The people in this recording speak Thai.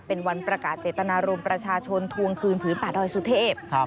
เป็นวันประกาศเจตนารมณ์ประชาชนทวงคืนผืนป่าดอยสุเทพ